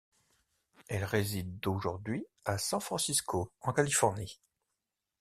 Elle réside aujourd'hui à San Francisco en Californie.